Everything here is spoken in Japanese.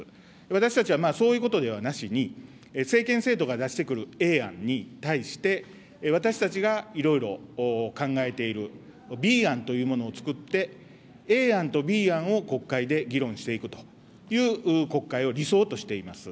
私たちはそういうことではなしに、政権政党が出してくるＡ案に対して、私たちがいろいろ考えているＢ案というものをつくって、Ａ案とＢ案を国会で議論していくという国会を理想としています。